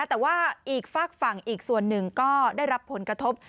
แต่ว่าอีกฝากฝั่งอีกส่วนหนึ่งก็ได้รับผลกระทบ